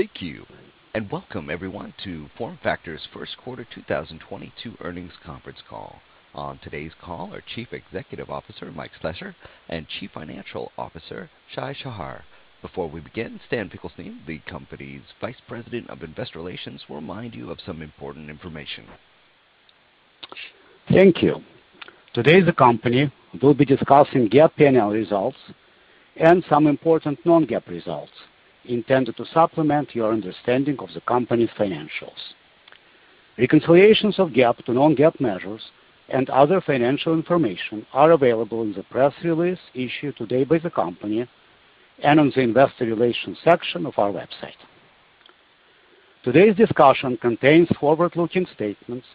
Thank you, and welcome everyone to FormFactor's first quarter 2022 earnings conference call. On today's call are Chief Executive Officer Mike Slessor and Chief Financial Officer Shai Shahar. Before we begin, Stan Finkelstein, the company's Vice President of Investor Relations, will remind you of some important information. Thank you. Today, the company will be discussing GAAP P&L results and some important non-GAAP results intended to supplement your understanding of the company's financials. Reconciliations of GAAP to non-GAAP measures and other financial information are available in the press release issued today by the company and on the investor relations section of our website. Today's discussion contains forward-looking statements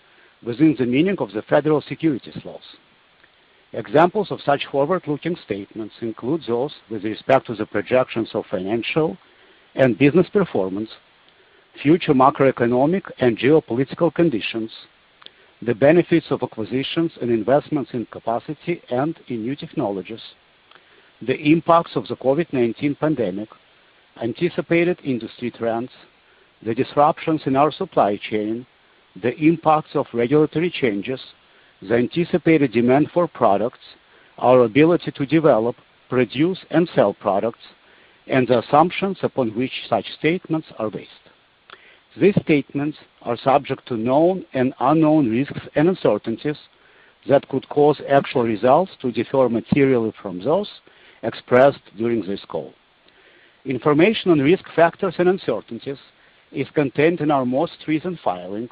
within the meaning of the federal securities laws. Examples of such forward-looking statements include those with respect to the projections of financial and business performance, future macroeconomic and geopolitical conditions, the benefits of acquisitions and investments in capacity and in new technologies, the impacts of the COVID-19 pandemic, anticipated industry trends, the disruptions in our supply chain, the impacts of regulatory changes, the anticipated demand for products, our ability to develop, produce, and sell products, and the assumptions upon which such statements are based. These statements are subject to known and unknown risks and uncertainties that could cause actual results to differ materially from those expressed during this call. Information on risk factors and uncertainties is contained in our most recent filing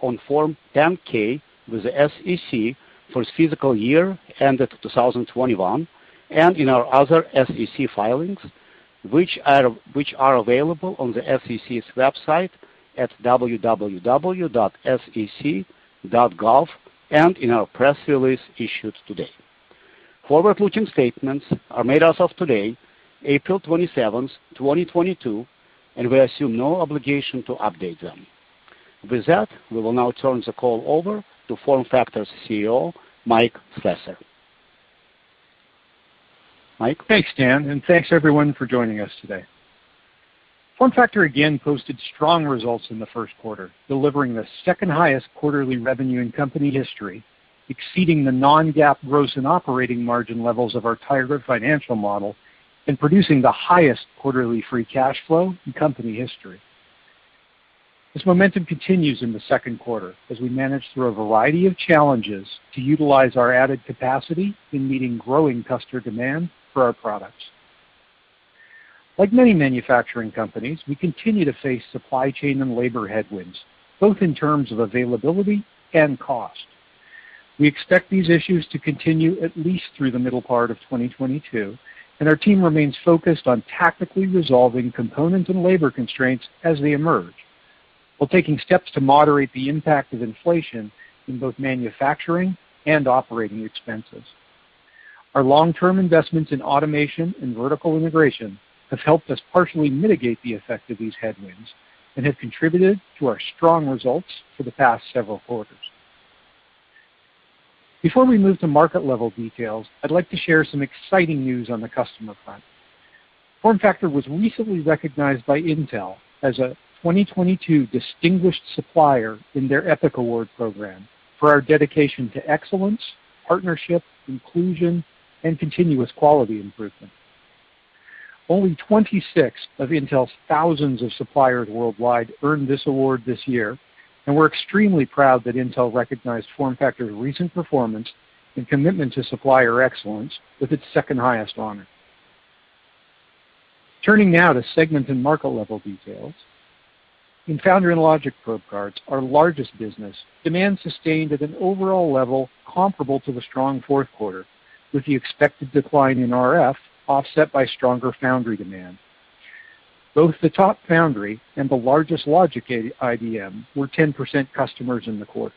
on Form 10-K with the SEC for its fiscal year ended 2021, and in our other SEC filings, which are available on the SEC's website at www.sec.gov, and in our press release issued today. Forward-looking statements are made as of today, April 27, 2022, and we assume no obligation to update them. With that, we will now turn the call over to FormFactor's CEO, Mike Slessor. Mike? Thanks, Dan, and thanks everyone for joining us today. FormFactor again posted strong results in the first quarter, delivering the second-highest quarterly revenue in company history, exceeding the non-GAAP gross and operating margin levels of our target financial model and producing the highest quarterly free cash flow in company history. This momentum continues in the second quarter as we manage through a variety of challenges to utilize our added capacity in meeting growing customer demand for our products. Like many manufacturing companies, we continue to face supply chain and labor headwinds, both in terms of availability and cost. We expect these issues to continue at least through the middle part of 2022, and our team remains focused on tactically resolving component and labor constraints as they emerge, while taking steps to moderate the impact of inflation in both manufacturing and operating expenses. Our long-term investments in automation and vertical integration have helped us partially mitigate the effect of these headwinds and have contributed to our strong results for the past several quarters. Before we move to market level details, I'd like to share some exciting news on the customer front. FormFactor was recently recognized by Intel as a 2022 distinguished supplier in their EPIC Award program for our dedication to excellence, partnership, inclusion, and continuous quality improvement. Only 26 of Intel's thousands of suppliers worldwide earned this award this year, and we're extremely proud that Intel recognized FormFactor's recent performance and commitment to supplier excellence with its second highest honor. Turning now to segment and market level details. In foundry and logic probe cards, our largest business, demand sustained at an overall level comparable to the strong fourth quarter, with the expected decline in RF offset by stronger foundry demand. Both the top foundry and the largest logic IDM were 10% customers in the quarter.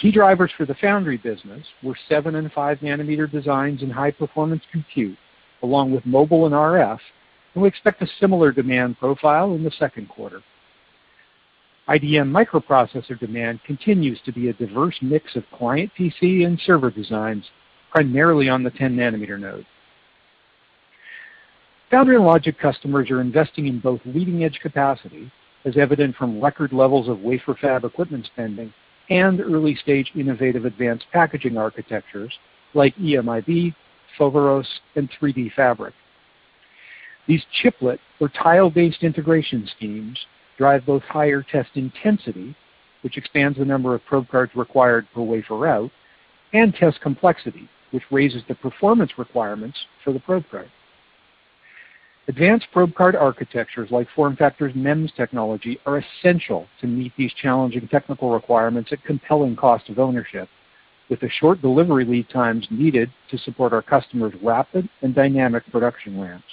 Key drivers for the foundry business were seven and five nanometer designs in high-performance compute, along with mobile and RF, and we expect a similar demand profile in the second quarter. IDM microprocessor demand continues to be a diverse mix of client PC and server designs, primarily on the 10-nanometer node. Foundry and logic customers are investing in both leading-edge capacity, as evident from record levels of wafer fab equipment spending and early-stage innovative advanced packaging architectures like EMIB, Foveros, and 3DFabric. These chiplet or tile-based integration schemes drive both higher test intensity, which expands the number of probe cards required per wafer route, and test complexity, which raises the performance requirements for the probe card. Advanced probe card architectures like FormFactor's MEMS technology are essential to meet these challenging technical requirements at compelling cost of ownership with the short delivery lead times needed to support our customers' rapid and dynamic production ramps.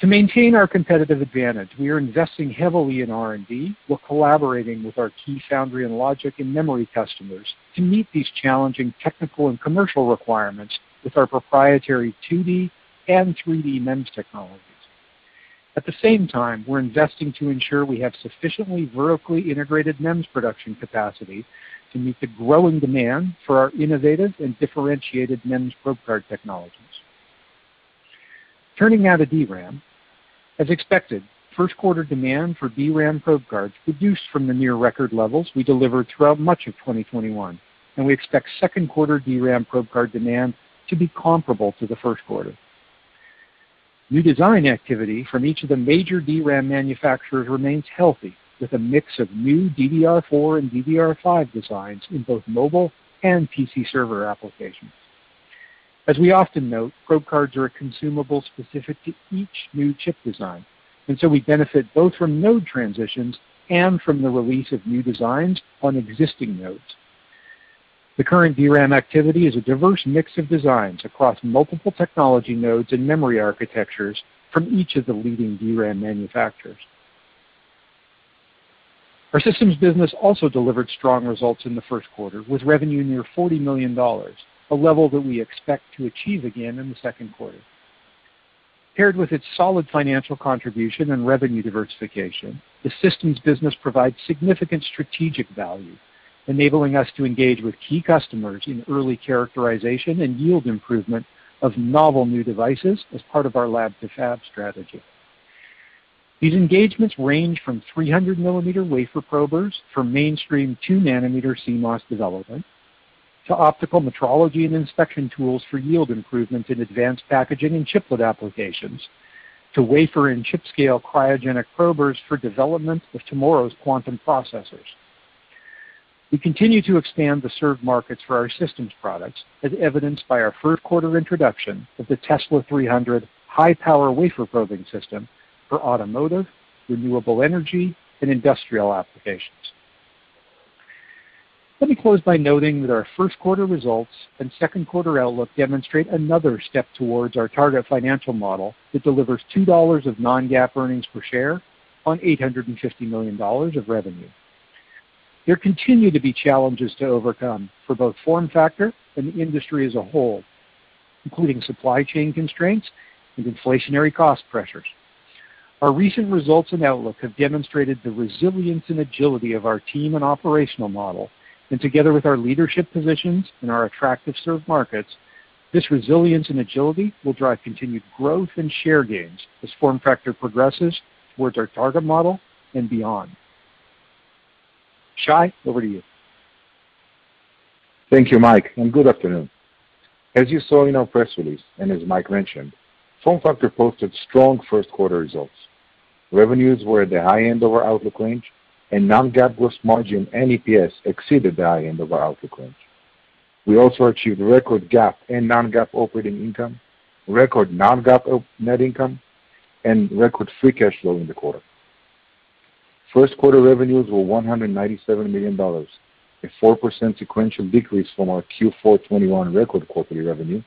To maintain our competitive advantage, we are investing heavily in R&D. We're collaborating with our key foundry and logic and memory customers to meet these challenging technical and commercial requirements with our proprietary 2D and 3D MEMS technologies. At the same time, we're investing to ensure we have sufficiently vertically integrated MEMS production capacity to meet the growing demand for our innovative and differentiated MEMS probe card technologies. Turning now to DRAM. As expected, first quarter demand for DRAM probe cards reduced from the near record levels we delivered throughout much of 2021, and we expect second quarter DRAM probe card demand to be comparable to the first quarter. New design activity from each of the major DRAM manufacturers remains healthy, with a mix of new DDR4 and DDR5 designs in both mobile and PC server applications. As we often note, probe cards are a consumable specific to each new chip design, and so we benefit both from node transitions and from the release of new designs on existing nodes. The current DRAM activity is a diverse mix of designs across multiple technology nodes and memory architectures from each of the leading DRAM manufacturers. Our systems business also delivered strong results in the first quarter, with revenue near $40 million, a level that we expect to achieve again in the second quarter. Paired with its solid financial contribution and revenue diversification, the systems business provides significant strategic value, enabling us to engage with key customers in early characterization and yield improvement of novel new devices as part of our lab to fab strategy. These engagements range from 300 mm wafer probers for mainstream two nm CMOS development, to optical metrology and inspection tools for yield improvements in advanced packaging and chiplet applications, to wafer and chip scale cryogenic probers for development of tomorrow's quantum processors. We continue to expand the served markets for our systems products, as evidenced by our first quarter introduction of the TESLA300 high power wafer probing system for automotive, renewable energy, and industrial applications. Let me close by noting that our first quarter results and second quarter outlook demonstrate another step towards our target financial model that delivers $2 of non-GAAP earnings per share on $850 million of revenue. There continue to be challenges to overcome for both FormFactor and the industry as a whole, including supply chain constraints and inflationary cost pressures. Our recent results and outlook have demonstrated the resilience and agility of our team and operational model. Together with our leadership positions and our attractive served markets, this resilience and agility will drive continued growth and share gains as FormFactor progresses towards our target model and beyond. Shai, over to you. Thank you, Mike, and good afternoon. As you saw in our press release, and as Mike mentioned, FormFactor posted strong first quarter results. Revenues were at the high end of our outlook range and non-GAAP gross margin and EPS exceeded the high end of our outlook range. We also achieved record GAAP and non-GAAP operating income, record non-GAAP net income, and record free cash flow in the quarter. First quarter revenues were $197 million, a 4% sequential decrease from our Q4 2021 record quarterly revenue,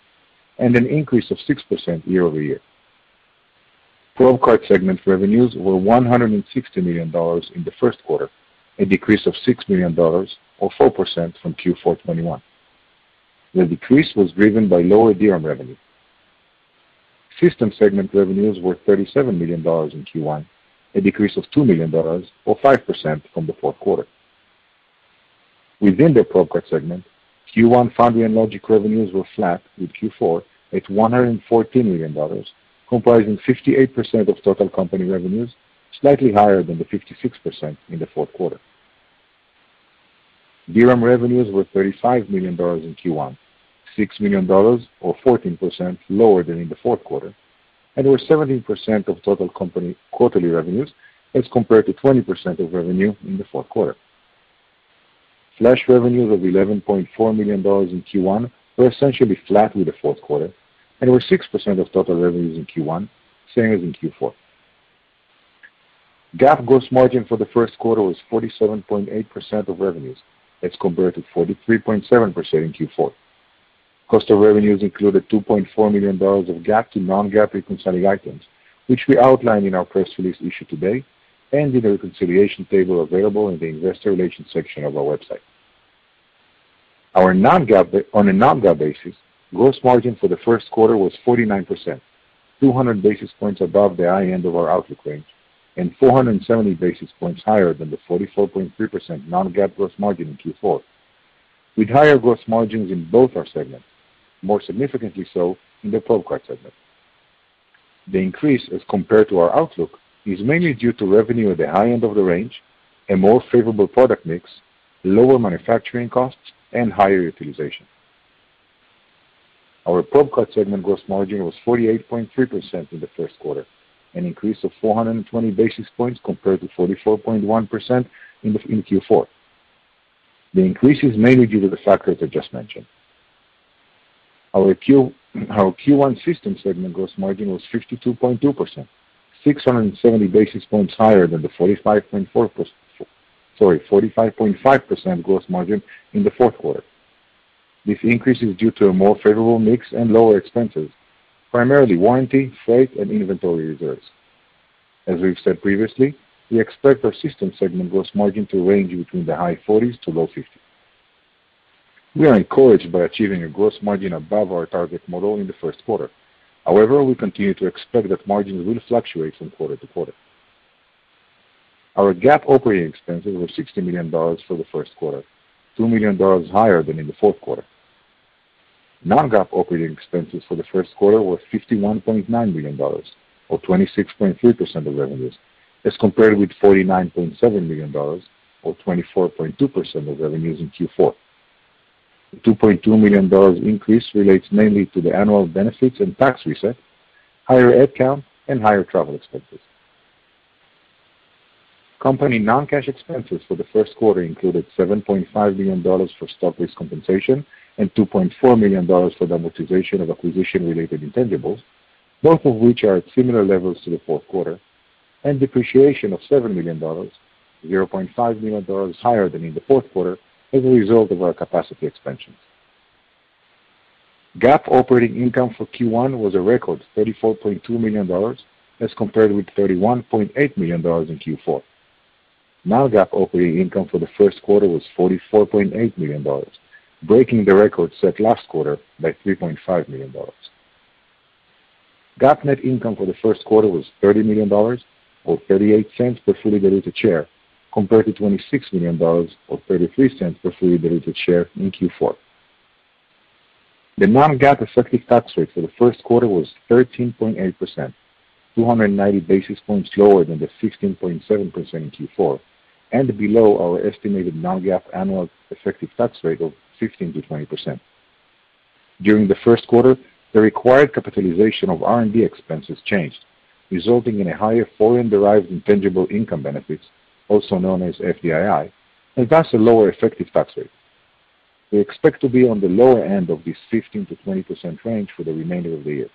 and an increase of 6% year-over-year. Probe card segment revenues were $160 million in the first quarter, a decrease of $6 million or 4% from Q4 2021. The decrease was driven by lower DRAM revenue. System segment revenues were $37 million in Q1, a decrease of $2 million or 5% from the fourth quarter. Within the probe card segment, Q1 foundry and logic revenues were flat with Q4 at $114 million, comprising 58% of total company revenues, slightly higher than the 56% in the fourth quarter. DRAM revenues were $35 million in Q1, $6 million or 14% lower than in the fourth quarter, and were 17% of total company quarterly revenues as compared to 20% of revenue in the fourth quarter. Flash revenues of $11.4 million in Q1 were essentially flat with the fourth quarter and were 6% of total revenues in Q1, same as in Q4. GAAP gross margin for the first quarter was 47.8% of revenues as compared to 43.7% in Q4. Cost of revenues included $2.4 million of GAAP to non-GAAP reconciling items, which we outlined in our press release issued today and in the reconciliation table available in the investor relations section of our website. On a non-GAAP basis, gross margin for the first quarter was 49%, 200 basis points above the high end of our outlook range, and 470 basis points higher than the 44.3% non-GAAP gross margin in Q4. With higher gross margins in both our segments, more significantly so in the probe card segment. The increase as compared to our outlook is mainly due to revenue at the high end of the range, a more favorable product mix, lower manufacturing costs, and higher utilization. Our probe card segment gross margin was 48.3% in the first quarter, an increase of 420 basis points compared to 44.1% in Q4. The increase is mainly due to the factors I just mentioned. Our Q1 system segment gross margin was 52.2%, 670 basis points higher than the 45.5% gross margin in the fourth quarter. This increase is due to a more favorable mix and lower expenses, primarily warranty, freight, and inventory reserves. We've said previously, we expect our system segment gross margin to range between the high 40s to low 50s. We are encouraged by achieving a gross margin above our target model in the first quarter. However, we continue to expect that margins will fluctuate from quarter to quarter. Our GAAP operating expenses were $60 million for the first quarter, $2 million higher than in the fourth quarter. Non-GAAP operating expenses for the first quarter were $51.9 million or 26.3% of revenues, as compared with $49.7 million or 24.2% of revenues in Q4. The $2.2 million increase relates mainly to the annual benefits and tax reset, higher headcount, and higher travel expenses. Company non-cash expenses for the first quarter included $7.5 million for stock-based compensation and $2.4 million for the amortization of acquisition-related intangibles, both of which are at similar levels to the fourth quarter, and depreciation of $7 million, $0.5 million higher than in the fourth quarter as a result of our capacity expansions. GAAP operating income for Q1 was a record $34.2 million, as compared with $31.8 million in Q4. Non-GAAP operating income for the first quarter was $44.8 million, breaking the record set last quarter by $3.5 million. GAAP net income for the first quarter was $30 million, or $0.38 per fully diluted share, compared to $26 million or $0.33 per fully diluted share in Q4. The non-GAAP effective tax rate for the first quarter was 13.8%, 290 basis points lower than the 16.7% in Q4 and below our estimated non-GAAP annual effective tax rate of 15%-20%. During the first quarter, the required capitalization of R&D expenses changed, resulting in a higher foreign-derived intangible income benefits, also known as FDII, and thus a lower effective tax rate. We expect to be on the lower end of this 15%-20% range for the remainder of the year.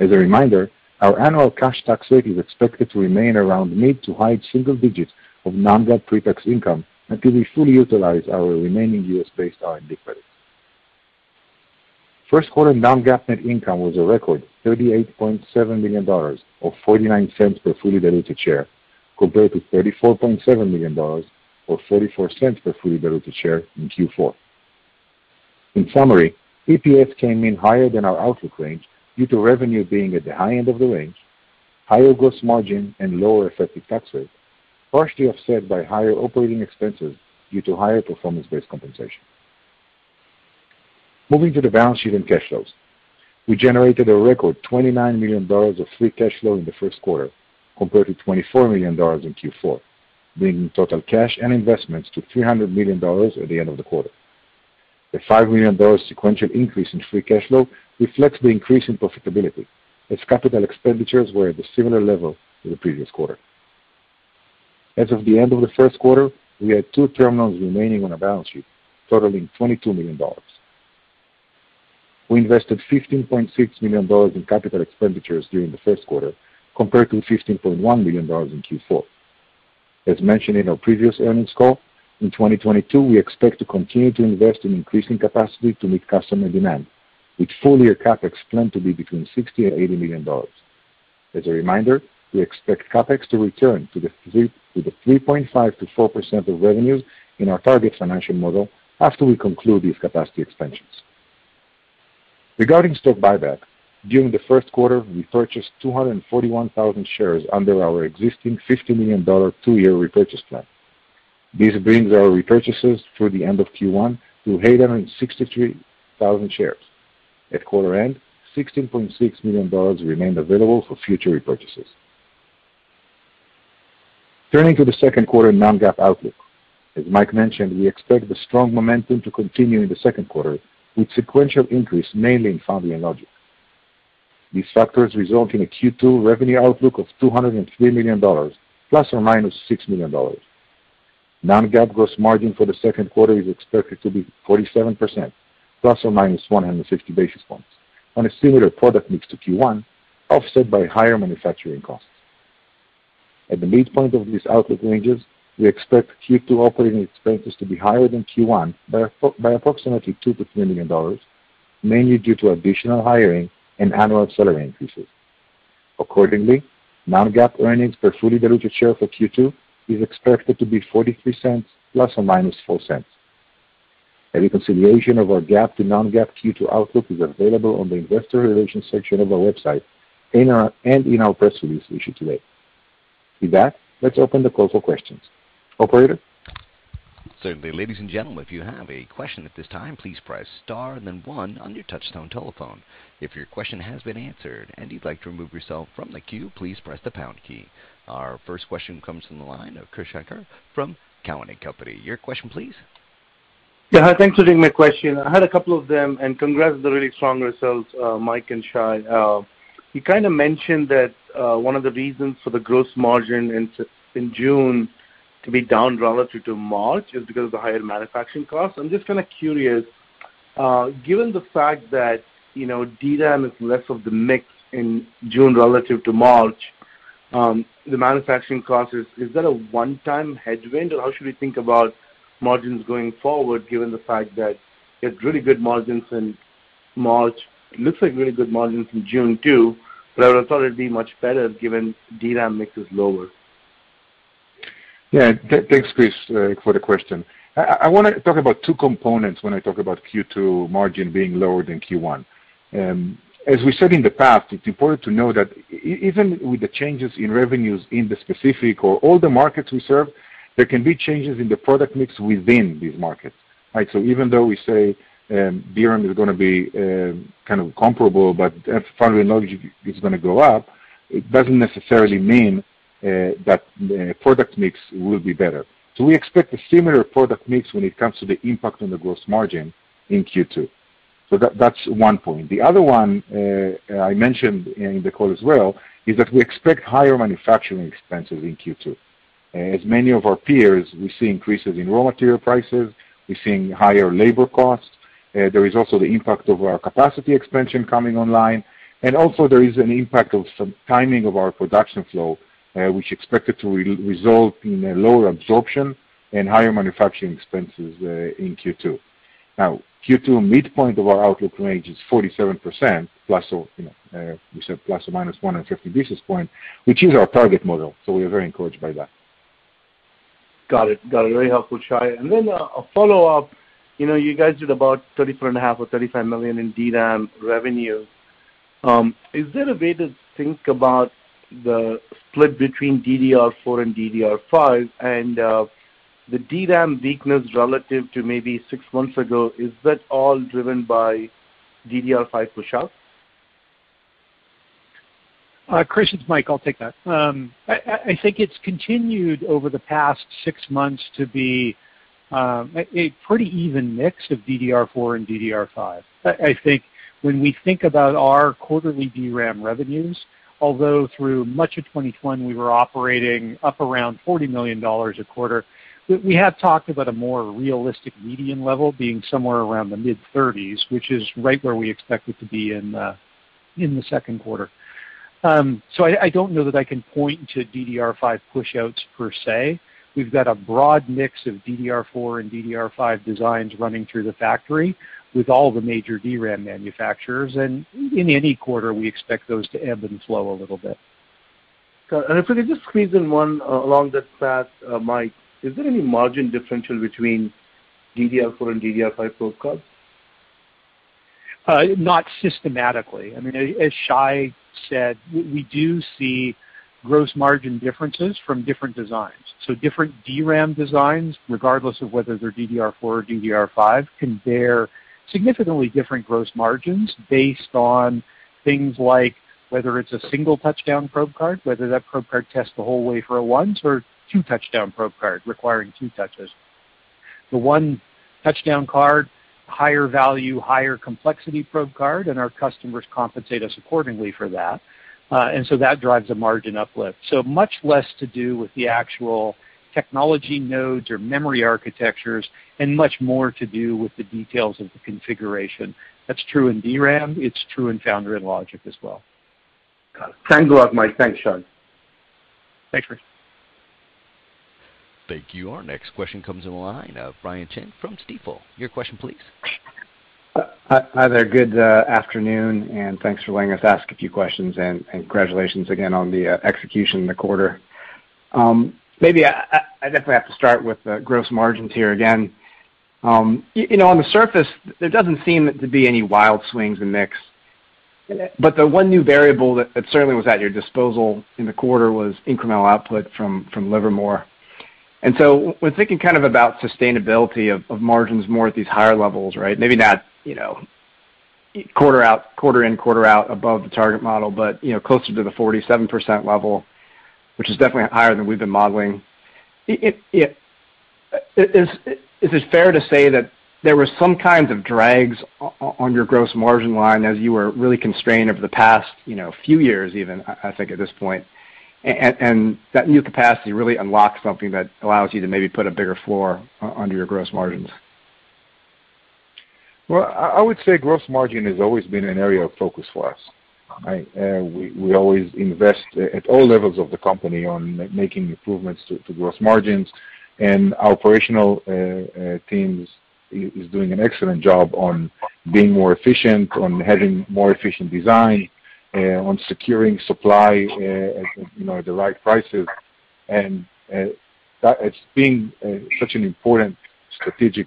As a reminder, our annual cash tax rate is expected to remain around mid to high single digits of non-GAAP pre-tax income until we fully utilize our remaining U.S.-based R&D credits. First quarter non-GAAP net income was a record $38.7 million or $0.49 per fully diluted share, compared to $34.7 million or $0.44 per fully diluted share in Q4. In summary, EPS came in higher than our outlook range due to revenue being at the high end of the range, higher gross margin and lower effective tax rate, partially offset by higher operating expenses due to higher performance-based compensation. Moving to the balance sheet and cash flows. We generated a record $29 million of free cash flow in the first quarter, compared to $24 million in Q4, bringing total cash and investments to $300 million at the end of the quarter. The $5 million sequential increase in free cash flow reflects the increase in profitability, as capital expenditures were at a similar level to the previous quarter. As of the end of the first quarter, we had two term loans remaining on our balance sheet, totaling $22 million. We invested $15.6 million in capital expenditures during the first quarter, compared to $15.1 million in Q4. As mentioned in our previous earnings call, in 2022, we expect to continue to invest in increasing capacity to meet customer demand, with full-year CapEx planned to be between $60 million and $80 million. As a reminder, we expect CapEx to return to the 3.5%-4% of revenues in our target financial model after we conclude these capacity expansions. Regarding stock buyback, during the first quarter, we purchased 241,000 shares under our existing $50 million two-year repurchase plan. This brings our repurchases through the end of Q1 to 863,000 shares. At quarter end, $16.6 million remained available for future repurchases. Turning to the second quarter non-GAAP outlook. As Mike mentioned, we expect the strong momentum to continue in the second quarter, with sequential increase mainly in foundry and logic. These factors result in a Q2 revenue outlook of $203 million ±$6 million. Non-GAAP gross margin for the second quarter is expected to be 47% ±150 basis points on a similar product mix to Q1, offset by higher manufacturing costs. At the midpoint of these outlook ranges, we expect Q2 operating expenses to be higher than Q1 by approximately $2 million-$3 million, mainly due to additional hiring and annual salary increases. Accordingly, non-GAAP earnings per fully diluted share for Q2 is expected to be $0.43 ± $0.04. A reconciliation of our GAAP to non-GAAP Q2 outlook is available on the investor relations section of our website and in our press release issued today. With that, let's open the call for questions. Operator? Certainly. Ladies and gentlemen, if you have a question at this time, please press star and then one on your touchtone telephone. If your question has been answered and you'd like to remove yourself from the queue, please press the pound key. Our first question comes from the line of Krish Sankar from Cowen and Company. Your question please. Yeah. Hi. Thanks for taking my question. I had a couple of them, and congrats on the really strong results, Mike and Shai. You mentioned that one of the reasons for the gross margin in June to be down relative to March is because of the higher manufacturing costs. I'm just kinda curious, given the fact that, you know, DRAM is less of the mix in June relative to March, the manufacturing cost is that a one-time headwind, or how should we think about margins going forward given the fact that you have really good margins in March? It looks like really good margins in June too, but I would've thought it'd be much better given DRAM mix is lower. Yeah. Thanks, Chris, for the question. I wanna talk about two components when I talk about Q2 margin being lower than Q1. As we said in the past, it's important to know that even with the changes in revenues in the specific or all the markets we serve, there can be changes in the product mix within these markets, right? Even though we say DRAM is gonna be kind of comparable, but as Foundry and Logic is gonna go up, it doesn't necessarily mean that product mix will be better. We expect a similar product mix when it comes to the impact on the gross margin in Q2. That's one point. The other one, I mentioned in the call as well, is that we expect higher manufacturing expenses in Q2. As many of our peers, we see increases in raw material prices. We're seeing higher labor costs. There is also the impact of our capacity expansion coming online, and also there is an impact of some timing of our production flow, which is expected to result in a lower absorption and higher manufacturing expenses in Q2. Now, Q2 midpoint of our outlook range is 47% plus or minus 150 basis points, which is our target model. We are very encouraged by that. Got it. Very helpful, Shai. A follow-up. You know, you guys did about $34.5 million or $35 million in DRAM revenue. Is there a way to think about the split between DDR4 and DDR5 and, the DRAM weakness relative to maybe six months ago, is that all driven by DDR5 push-out? Chris, it's Mike. I'll take that. I think it's continued over the past six months to be a pretty even mix of DDR4 and DDR5. I think when we think about our quarterly DRAM revenues, although through much of 2021, we were operating up around $40 million a quarter, we have talked about a more realistic median level being somewhere around the mid-thirties, which is right where we expect it to be in the second quarter. I don't know that I can point to DDR5 pushouts per se. We've got a broad mix of DDR4 and DDR5 designs running through the factory with all the major DRAM manufacturers. In any quarter, we expect those to ebb and flow a little bit. If I could just squeeze in one along this path, Mike. Is there any margin differential between DDR4 and DDR5 probe cards? Not systematically. I mean, as Shai said, we do see gross margin differences from different designs. Different DRAM designs, regardless of whether they're DDR4 or DDR5, can bear significantly different gross margins based on things like whether it's a single touchdown probe card, whether that probe card tests the whole way for a once or two touchdown probe card requiring two touches. The one touchdown card, higher value, higher complexity probe card, and our customers compensate us accordingly for that. That drives a margin uplift. Much less to do with the actual technology nodes or memory architectures and much more to do with the details of the configuration. That's true in DRAM. It's true in Foundry and Logic as well. Got it. Thank you, Mike. Thanks, Shai. Thanks, Chris. Thank you. Our next question comes from the line of Brian Chin from Stifel. Your question, please. Hi there. Good afternoon, and thanks for letting us ask a few questions, and congratulations again on the execution in the quarter. Maybe I definitely have to start with the gross margins here again. You know, on the surface, there doesn't seem to be any wild swings in mix, but the one new variable that certainly was at your disposal in the quarter was incremental output from Livermore. When thinking kind of about sustainability of margins more at these higher levels, right? Maybe not, you know, quarter out, quarter in, quarter out above the target model, but, you know, closer to the 47% level, which is definitely higher than we've been modeling. Is it fair to say that there were some kinds of drags on your gross margin line as you were really constrained over the past, you know, few years even, I think at this point, and that new capacity really unlocks something that allows you to maybe put a bigger floor under your gross margins? Well, I would say gross margin has always been an area of focus for us. Right? We always invest at all levels of the company on making improvements to gross margins. Our operational teams is doing an excellent job on being more efficient, on having more efficient design, on securing supply, you know, at the right prices. That it's been such an important strategic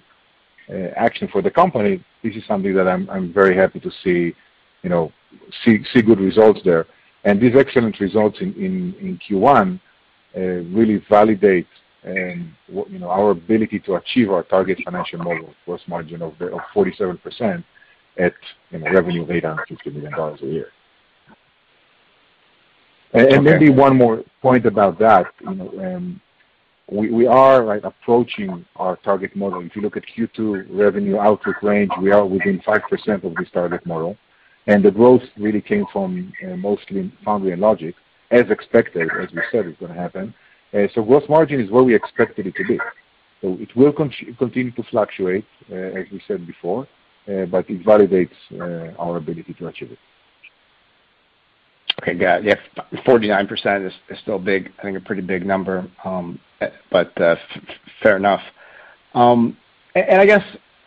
action for the company. This is something that I'm very happy to see, you know, good results there. These excellent results in Q1 really validate, you know, our ability to achieve our target financial model gross margin of 47% at, you know, revenue rate on $50 million a year. Okay. Maybe one more point about that. You know, we are, like, approaching our target model. If you look at Q2 revenue outlook range, we are within 5% of this target model, and the growth really came from mostly in Foundry and Logic, as expected, as we said it's gonna happen. Gross margin is where we expected it to be. It will continue to fluctuate, as we said before, but it validates our ability to achieve it. Okay. Got it. Yeah. 49% is still big, I think a pretty big number, but fair enough. I guess,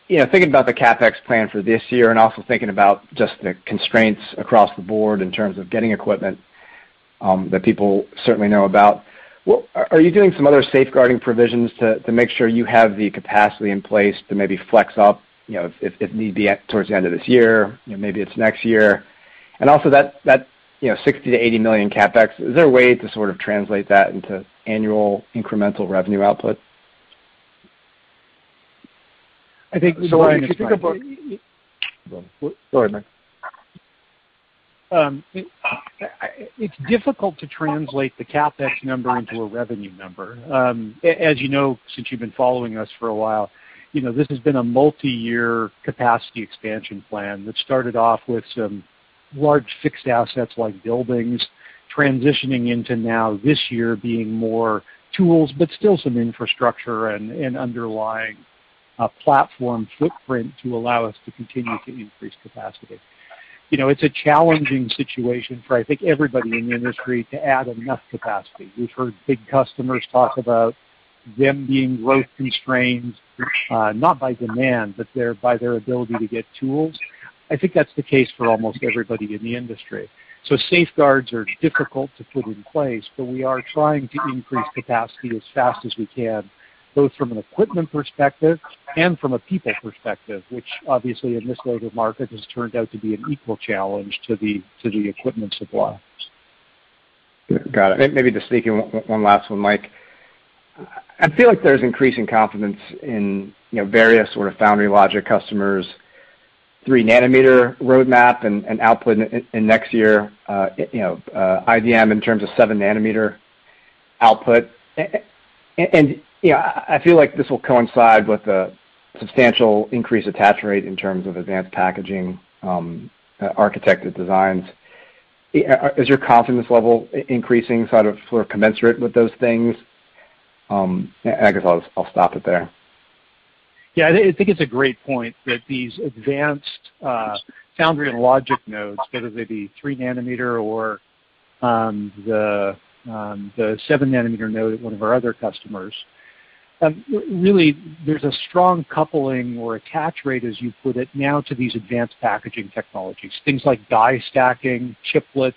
you know, thinking about the CapEx plan for this year and also thinking about just the constraints across the board in terms of getting equipment, that people certainly know about, are you doing some other safeguarding provisions to make sure you have the capacity in place to maybe flex up, you know, if need be at towards the end of this year? You know, maybe it's next year. Also that, you know, $60-80 million CapEx, is there a way to sort of translate that into annual incremental revenue output? I think- If you think about. Go on. Go ahead, Mike. It's difficult to translate the CapEx number into a revenue number. As you know, since you've been following us for a while, you know, this has been a multi-year capacity expansion plan that started off with some large fixed assets like buildings transitioning into now this year being more tools, but still some infrastructure and underlying platform footprint to allow us to continue to increase capacity. You know, it's a challenging situation for, I think, everybody in the industry to add enough capacity. We've heard big customers talk about them being growth constrained, not by demand, but by their ability to get tools. I think that's the case for almost everybody in the industry. Safeguards are difficult to put in place, but we are trying to increase capacity as fast as we can, both from an equipment perspective and from a people perspective, which obviously in this labor market has turned out to be an equal challenge to the equipment suppliers. Got it. Maybe just sneak in one last one, Mike. I feel like there's increasing confidence in various sort of foundry logic customers, three-nanometer roadmap and output in next year, IBM in terms of seven-nanometer output. I feel like this will coincide with the substantial increase in attach rate in terms of advanced packaging, architected designs. Is your confidence level increasing sort of commensurate with those things? I guess I'll stop it there. Yeah, I think it's a great point that these advanced foundry and logic nodes, whether they be three nanometer or the seven nanometer node at one of our other customers, really there's a strong coupling or attach rate, as you put it, now to these advanced packaging technologies. Things like die stacking, chiplets,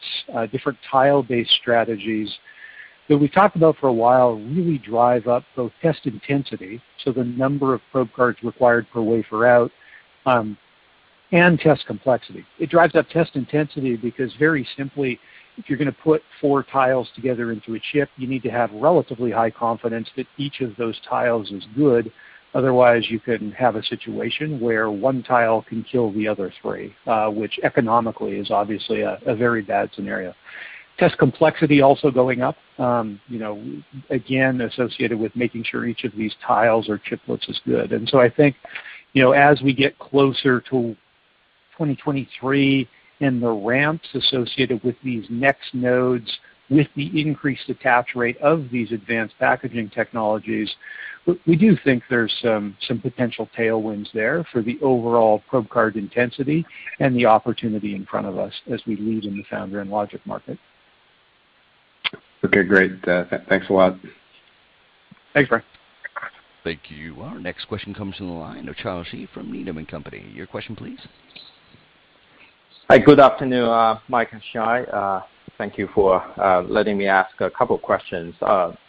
different tile-based strategies that we've talked about for a while really drive up both test intensity, so the number of probe cards required per wafer out, and test complexity. It drives up test intensity because very simply, if you're gonna put 4 tiles together into a chip, you need to have relatively high confidence that each of those tiles is good. Otherwise, you can have a situation where one tile can kill the other three, which economically is obviously a very bad scenario. Test complexity also going up, you know, again, associated with making sure each of these tiles or chiplets is good. I think, you know, as we get closer to 2023 and the ramps associated with these next nodes, with the increased attach rate of these advanced packaging technologies, we do think there's some potential tailwinds there for the overall probe card intensity and the opportunity in front of us as we lead in the foundry and logic market. Okay, great. Thanks a lot. Thanks, Brian. Thank you. Our next question comes from the line of Charles Shi from Needham & Company. Your question please. Hi, good afternoon, Mike and Shai. Thank you for letting me ask a couple questions.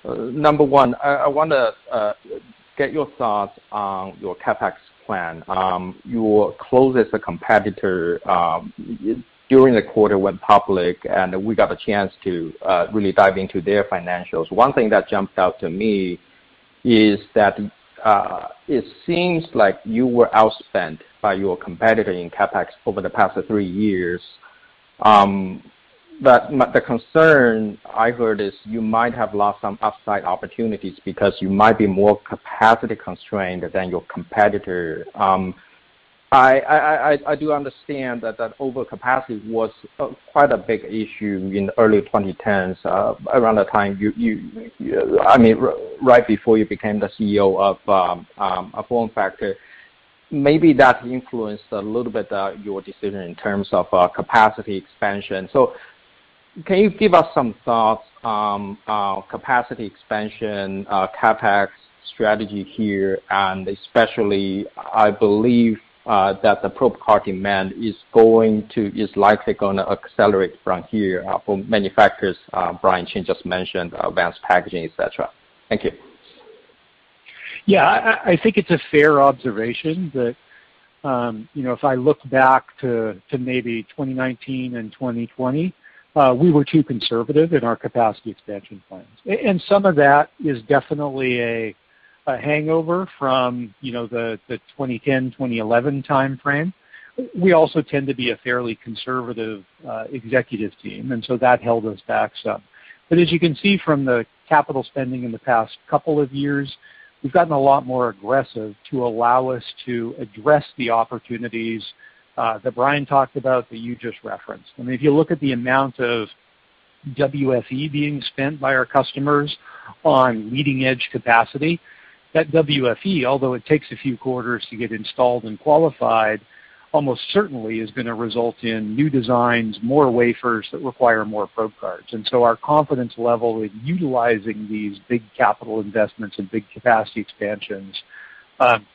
Number one, I wanna get your thoughts on your CapEx plan. Your closest competitor during the quarter went public, and we got a chance to really dive into their financials. One thing that jumped out to me is that it seems like you were outspent by your competitor in CapEx over the past 3 years. But the concern I heard is you might have lost some upside opportunities because you might be more capacity constrained than your competitor. I do understand that overcapacity was quite a big issue in early 2010s around the time you I mean, right before you became the CEO of FormFactor. Maybe that influenced a little bit your decision in terms of capacity expansion. Can you give us some thoughts on capacity expansion, CapEx strategy here, and especially, I believe, that the probe card demand is likely gonna accelerate from here for manufacturers, Brian Chin just mentioned, advanced packaging, et cetera. Thank you. Yeah. I think it's a fair observation that, you know, if I look back to maybe 2019 and 2020, we were too conservative in our capacity expansion plans. Some of that is definitely a hangover from, you know, the 2010, 2011 timeframe. We also tend to be a fairly conservative executive team, and so that held us back some. As you can see from the capital spending in the past couple of years, we've gotten a lot more aggressive to allow us to address the opportunities that Brian talked about that you just referenced. I mean, if you look at the amount of WFE being spent by our customers on leading edge capacity, that WFE, although it takes a few quarters to get installed and qualified Almost certainly is going to result in new designs, more wafers that require more probe cards. Our confidence level with utilizing these big capital investments and big capacity expansions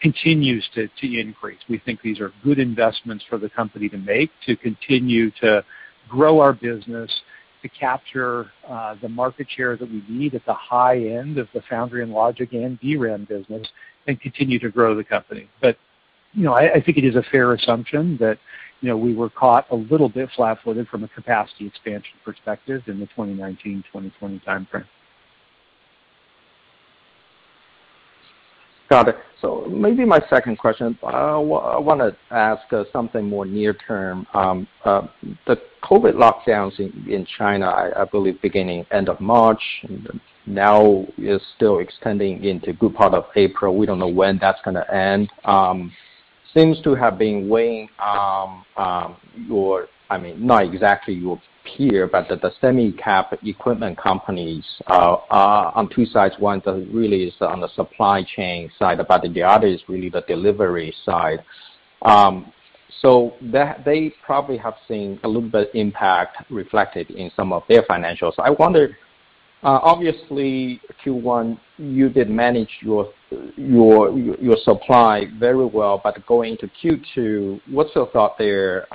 continues to increase. We think these are good investments for the company to make to continue to grow our business, to capture the market share that we need at the high end of the foundry and logic and DRAM business and continue to grow the company. You know, I think it is a fair assumption that, you know, we were caught a little bit flat-footed from a capacity expansion perspective in the 2019-2020 time frame. Got it. Maybe my second question. I wanna ask something more near term. The COVID lockdowns in China, I believe beginning end of March, now is still extending into good part of April. We don't know when that's gonna end. Seems to have been weighing. I mean, not exactly your peer, but the semi cap equipment companies are on two sides. One that really is on the supply chain side, but then the other is really the delivery side. So that they probably have seen a little bit impact reflected in some of their financials. I wonder, obviously Q1, you did manage your supply very well, but going to Q2, what's your thought there?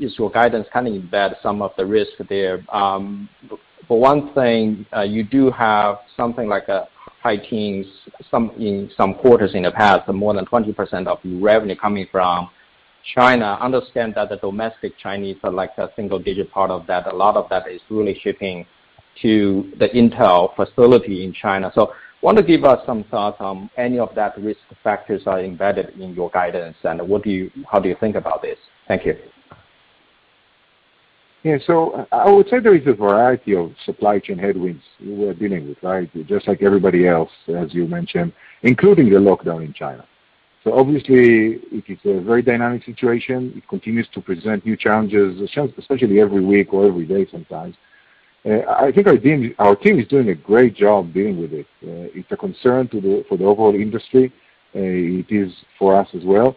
Is your guidance kind of embedded some of the risk there? For one thing, you do have something like a high teens, some in some quarters in the past, more than 20% of revenue coming from China. Understand that the domestic Chinese are like a single-digit part of that. A lot of that is really shipping to the Intel facility in China. Want to give us some thoughts on any of that risk factors are embedded in your guidance and how do you think about this? Thank you. Yeah. I would say there is a variety of supply chain headwinds we're dealing with, right? Just like everybody else, as you mentioned, including the lockdown in China. Obviously it is a very dynamic situation. It continues to present new challenges, especially every week or every day sometimes. I think our team is doing a great job dealing with it. It's a concern for the overall industry. It is for us as well.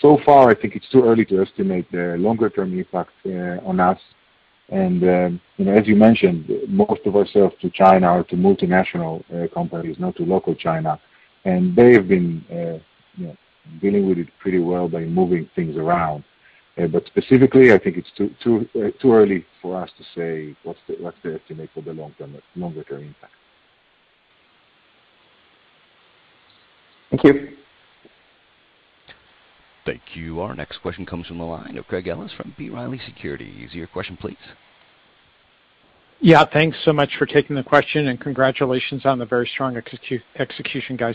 So far, I think it's too early to estimate the longer-term impact on us. You know, as you mentioned, most of our sales to China are to multinational companies, not to local China. They have been dealing with it pretty well by moving things around. Specifically, I think it's too early for us to say what's the estimate for the long term, longer term impact. Thank you. Thank you. Our next question comes from the line of Craig Ellis from B. Riley Securities. Your question, please. Yeah, thanks so much for taking the question and congratulations on the very strong execution, guys.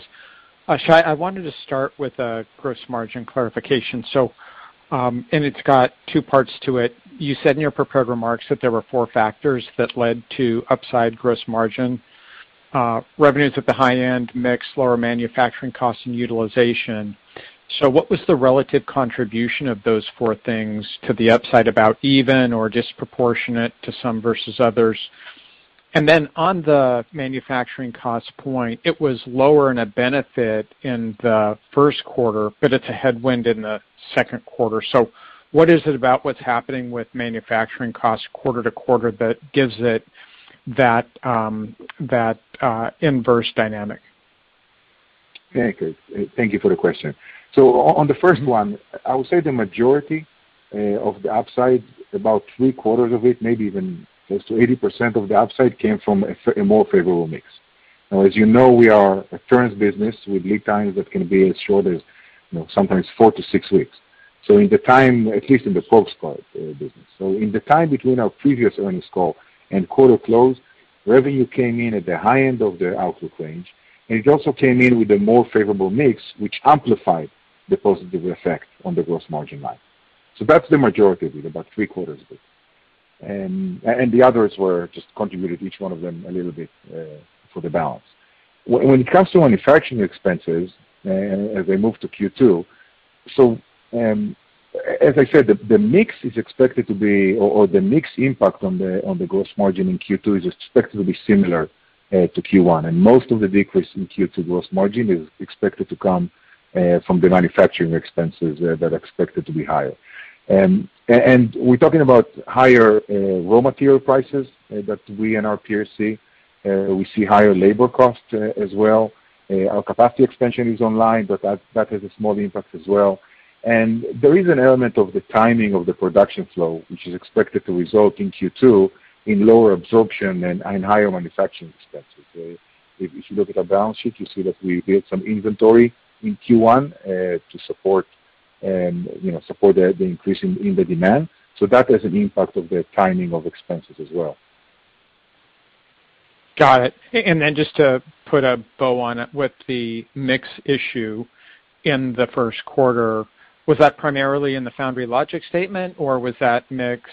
Shai, I wanted to start with a gross margin clarification. It's got two parts to it. You said in your prepared remarks that there were four factors that led to upside gross margin, revenues at the high end mix, lower manufacturing costs and utilization. What was the relative contribution of those four things to the upside about even or disproportionate to some versus others? Then on the manufacturing cost point, it was lower as a benefit in the first quarter, but it's a headwind in the second quarter. What is it about what's happening with manufacturing costs quarter to quarter that gives it that inverse dynamic? Thank you. Thank you for the question. On the first one, I would say the majority of the upside, about three-quarters of it, maybe even close to 80% of the upside came from a more favorable mix. As you know, we are a current business with lead times that can be as short as, you know, sometimes 4-6 weeks. In the time, at least in the probe card business. In the time between our previous earnings call and quarter close, revenue came in at the high end of the output range, and it also came in with a more favorable mix, which amplified the positive effect on the gross margin line. That's the majority of it, about three-quarters of it. And the others were just contributed each one of them a little bit for the balance. When it comes to manufacturing expenses as we move to Q2, as I said, the mix impact on the gross margin in Q2 is expected to be similar to Q1. Most of the decrease in Q2 gross margin is expected to come from the manufacturing expenses that are expected to be higher. We're talking about higher raw material prices that we and our peers see. We see higher labor costs as well. Our capacity expansion is online, but that has a small impact as well. There is an element of the timing of the production flow, which is expected to result in Q2 in lower absorption and higher manufacturing expenses. If you look at our balance sheet, you see that we built some inventory in Q1 to support you know the increase in the demand. That has an impact on the timing of expenses as well. Got it. Just to put a bow on it with the mix issue in the first quarter, was that primarily in the foundry logic segment, or was that mix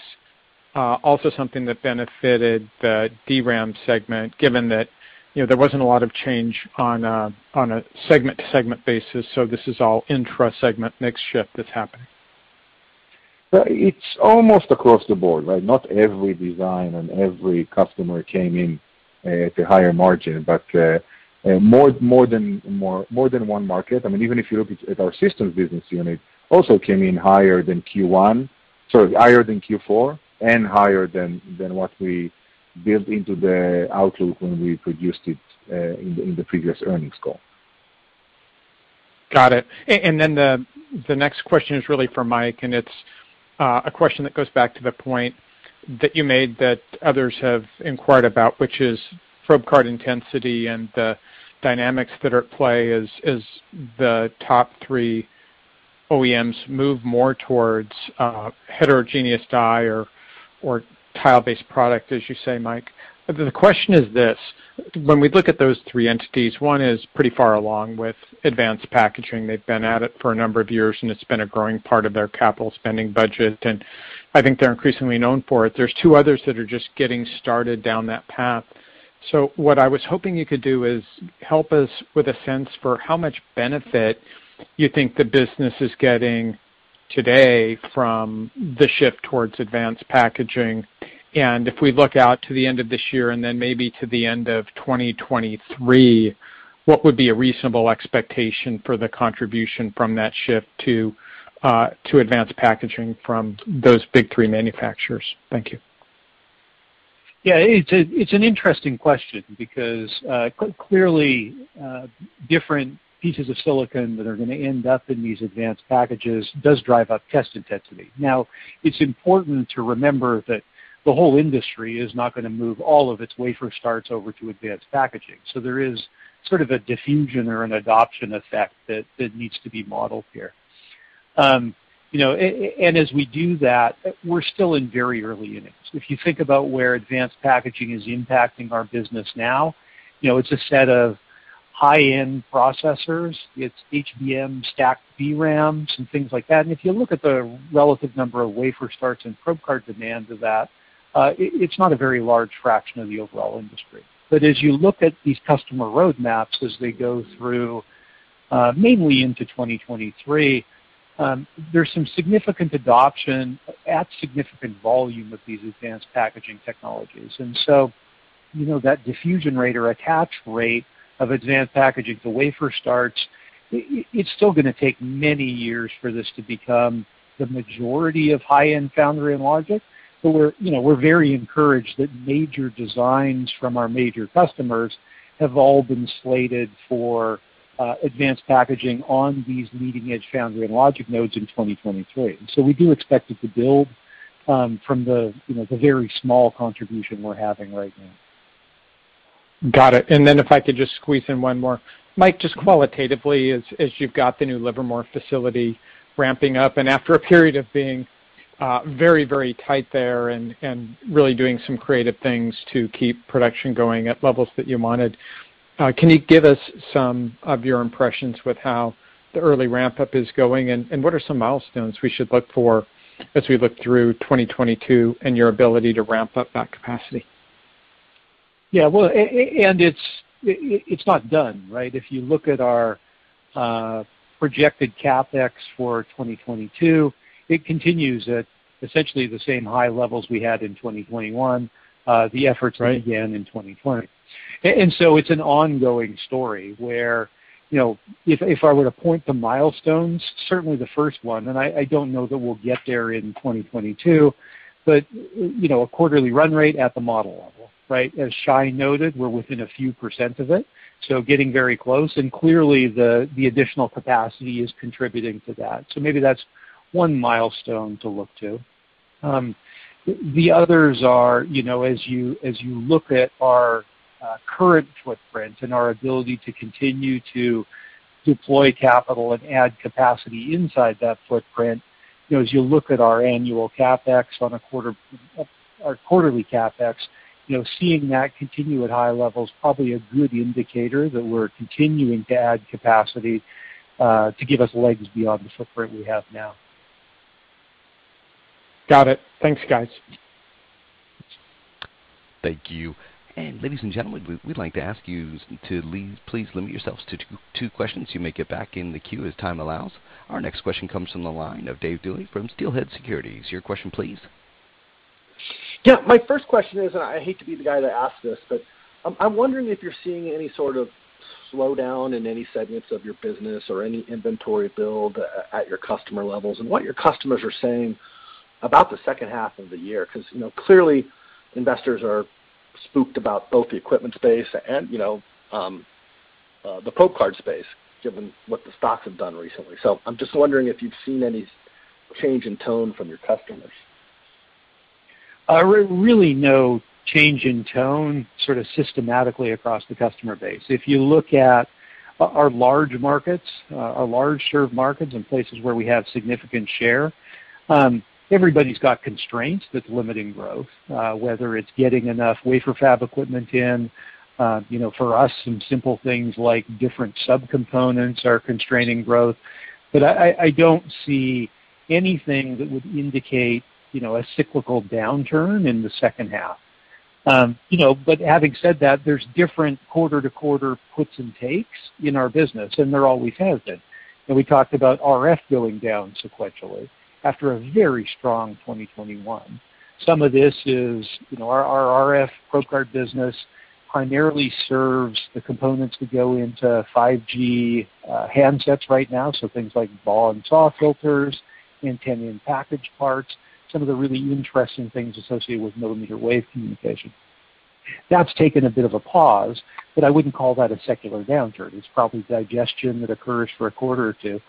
also something that benefited the DRAM segment, given that, you know, there wasn't a lot of change on a segment to segment basis, so this is all intra segment mix shift that's happening? Well, it's almost across the board, right? Not every design and every customer came in at a higher margin, but more than one market. I mean, even if you look at our systems business unit also came in higher than Q4 and higher than what we built into the outlook when we produced it in the previous earnings call. Got it. The next question is really for Mike, and it's a question that goes back to the point that you made that others have inquired about, which is probe card intensity and the dynamics that are at play as the top three OEMs move more towards heterogeneous die or tile-based product, as you say, Mike. The question is this: when we look at those three entities, one is pretty far along with advanced packaging. They've been at it for a number of years, and it's been a growing part of their capital spending budget, and I think they're increasingly known for it. There's two others that are just getting started down that path. What I was hoping you could do is help us with a sense for how much benefit you think the business is getting today from the shift towards advanced packaging. If we look out to the end of this year and then maybe to the end of 2023, what would be a reasonable expectation for the contribution from that shift to advanced packaging from those big three manufacturers? Thank you. Yeah. It's an interesting question because clearly different pieces of silicon that are gonna end up in these advanced packages does drive up test intensity. Now, it's important to remember that the whole industry is not gonna move all of its wafer starts over to advanced packaging, so there is sort of a diffusion or an adoption effect that needs to be modeled here. You know, and as we do that, we're still in very early innings. If you think about where advanced packaging is impacting our business now, you know, it's a set of high-end processors. It's HBM stacked VRAMs and things like that. If you look at the relative number of wafer starts and probe card demands of that, it's not a very large fraction of the overall industry. As you look at these customer roadmaps as they go through, mainly into 2023, there's some significant adoption at significant volume of these advanced packaging technologies. You know, that diffusion rate or attach rate of advanced packaging to wafer starts, it's still gonna take many years for this to become the majority of high-end foundry and logic, but we're, you know, we're very encouraged that major designs from our major customers have all been slated for advanced packaging on these leading-edge foundry and logic nodes in 2023. We do expect it to build from the, you know, the very small contribution we're having right now. Got it. If I could just squeeze in one more. Mike, just qualitatively, as you've got the new Livermore facility ramping up, and after a period of being very, very tight there and really doing some creative things to keep production going at levels that you wanted, can you give us some of your impressions with how the early ramp-up is going, and what are some milestones we should look for as we look through 2022 and your ability to ramp up that capacity? Yeah. Well, it's not done, right? If you look at our projected CapEx for 2022, it continues at essentially the same high levels we had in 2021, the efforts- Right. We began in 2020. It's an ongoing story, where, you know, if I were to point to milestones, certainly the first one, and I don't know that we'll get there in 2022, but, you know, a quarterly run rate at the model level, right? As Shai noted, we're within a few percent of it, so getting very close. Clearly the additional capacity is contributing to that. Maybe that's one milestone to look to. The others are, you know, as you look at our current footprint and our ability to continue to deploy capital and add capacity inside that footprint, you know, as you look at our quarterly CapEx, you know, seeing that continue at high levels, probably a good indicator that we're continuing to add capacity to give us legs beyond the footprint we have now. Got it. Thanks, guys. Thank you. Ladies and gentlemen, we'd like to ask you to leave. Please limit yourselves to two questions. You may get back in the queue as time allows. Our next question comes from the line of David Duley from Steelhead Securities. Your question, please. Yeah. My first question is, and I hate to be the guy that asks this, but, I'm wondering if you're seeing any sort of slowdown in any segments of your business or any inventory build at your customer levels, and what your customers are saying about the second half of the year. 'Cause, you know, clearly investors are spooked about both the equipment space and, you know, the probe card space, given what the stocks have done recently. I'm just wondering if you've seen any change in tone from your customers. Really no change in tone sort of systematically across the customer base. If you look at our large markets, our large served markets and places where we have significant share, everybody's got constraints that's limiting growth, whether it's getting enough wafer fab equipment in, you know, for us, some simple things like different subcomponents are constraining growth. I don't see anything that would indicate, you know, a cyclical downturn in the second half. You know, having said that, there's different quarter-to-quarter puts and takes in our business, and there always has been. We talked about RF going down sequentially after a very strong 2021. Some of this is, you know, our RF probe card business primarily serves the components that go into 5G handsets right now. Things like BAW and SAW filters, antenna and package parts, some of the really interesting things associated with millimeter wave communication. That's taken a bit of a pause, but I wouldn't call that a secular downturn. It's probably digestion that occurs for a quarter or two.